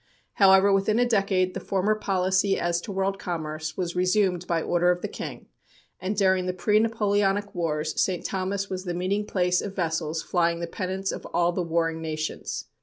However, within a decade the former policy as to world commerce was resumed by order of the king, and during the pre Napoleonic wars St. Thomas was the meeting place of vessels flying the pennants of all the warring nations.